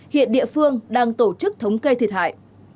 hiện địa phương đang tổ chức thống kê thiệt hại